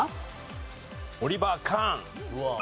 オリバー・カーン。